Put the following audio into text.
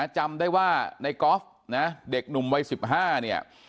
จำได้ว่าในกอฟนะเด็กหนุ่มวัยสิบห้าเนี่ย